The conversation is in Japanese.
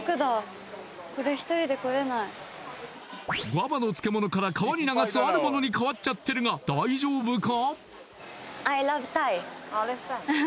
グァバの漬物から川に流すあるものに変わっちゃってるが大丈夫か？